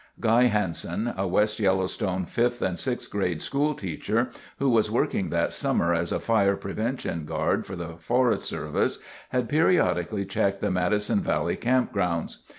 Guy Hanson, a West Yellowstone 5th and 6th grade school teacher who was working that summer as a Fire Prevention Guard for the Forest Service, had periodically checked the Madison Valley campgrounds.